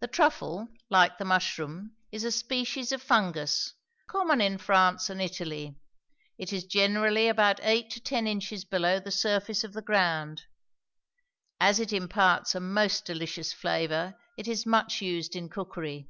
The truffle, like the mushroom, is a species of fungus, common in France and Italy; it is generally about eight to ten inches below the surface of the ground. As it imparts a most delicious flavor, it is much used in cookery.